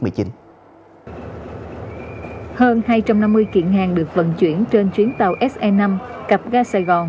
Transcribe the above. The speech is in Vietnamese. hơn hai trăm năm mươi kiện hàng được vận chuyển trên chuyến tàu se năm cặp ga sài gòn